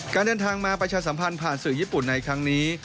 การเดินทางมาประชาสัมพันธ์ผ่านสื่อญี่ปุ่นในครั้งนี้